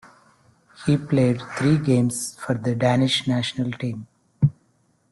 He played three games for the Danish national team.